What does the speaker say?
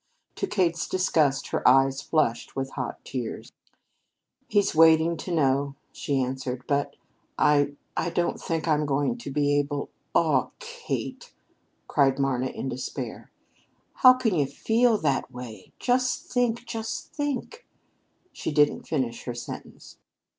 To Kate's disgust, her eyes flushed with hot tears. "He's waiting to know," she answered. "But I I don't think I'm going to be able " "Oh, Kate!" cried Marna in despair. "How can you feel that way? Just think just think " she didn't finish her sentence.